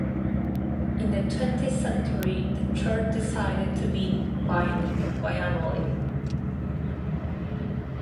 In the twentieth century, the church decided to meet biannually.